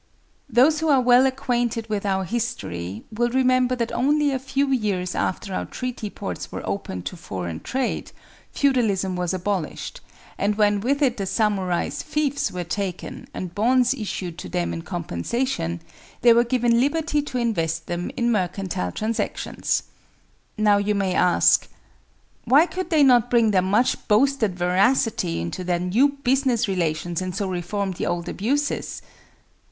Those who are well acquainted with our history will remember that only a few years after our treaty ports were opened to foreign trade, feudalism was abolished, and when with it the samurai's fiefs were taken and bonds issued to them in compensation, they were given liberty to invest them in mercantile transactions. Now you may ask, "Why could they not bring their much boasted veracity into their new business relations and so reform the old abuses?"